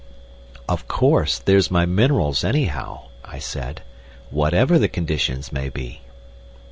"Of course, there's my minerals, anyhow," I said; "whatever the conditions may be."